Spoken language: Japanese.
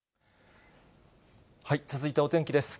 続いてお天気です。